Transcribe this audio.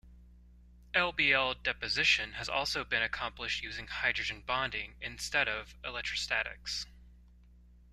LbL deposition has also been accomplished using hydrogen bonding instead of electrostatics.